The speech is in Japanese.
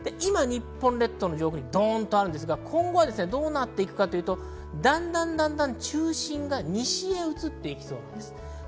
今、日本列島の上空にありますが、今後どうなっていくかというと、だんだん中心が西へ移っていきます。